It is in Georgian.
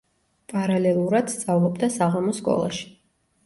პარალელურად სწავლობდა საღამოს სკოლაში.